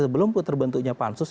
belum terbentuknya pansus